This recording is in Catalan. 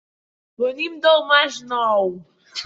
Venim del Masnou.